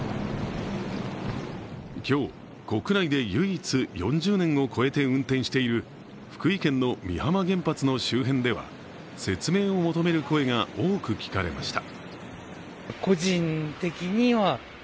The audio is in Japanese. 今日、国内で唯一４０年を超えて運転している福井県の美浜原発の周辺では、説明を求める声が多く聞かれました。